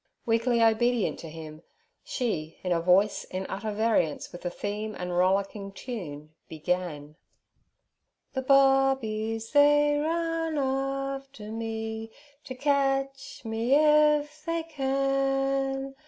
Weakly obedient to him, she, in a voice in utter variance with the theme and rollicking tune, began: 'The Bobbies they run after me To catch me if they can.